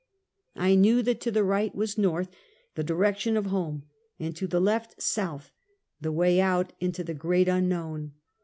I knew that to the right was north — the direction of home; and to the left, south — the way out into the great unknown.